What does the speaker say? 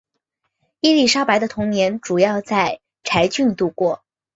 伊丽莎白的童年主要在柴郡度过。